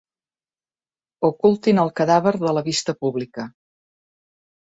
Ocultin el cadàver de la vista pública.